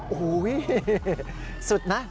โอ้โหสุดนะ